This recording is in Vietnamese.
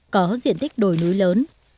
có diện tích đồi núi lớn